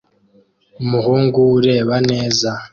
Umuhungu ureba neza